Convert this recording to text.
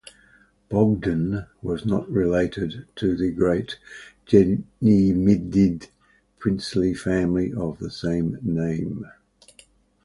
Bogdan was not related to the great Gedyminid princely family of the same name.